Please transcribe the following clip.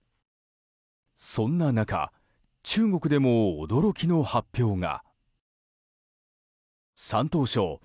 そんな中中国でも驚きの発表が。